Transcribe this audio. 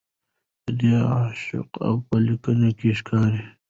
د ده عشق په لیکنو کې ښکاري.